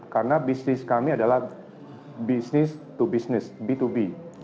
karena bisnis kami adalah bisnis to business b dua b